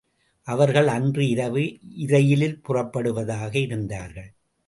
அவர்கள் அன்று இரவு இரயிலில் புறப்படுவதாக இருந்தார்கள்.